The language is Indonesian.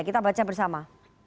kita baca bersama